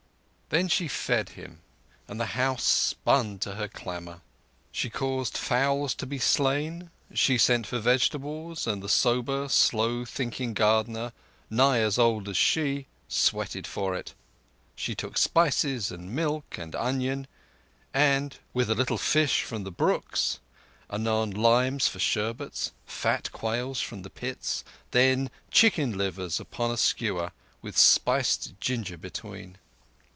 Then she fed him, and the house spun to her clamour. She caused fowls to be slain; she sent for vegetables, and the sober, slow thinking gardener, nigh as old as she, sweated for it; she took spices, and milk, and onion, with little fish from the brooks—anon limes for sherbets, fat quails from the pits, then chicken livers upon a skewer, with sliced ginger between.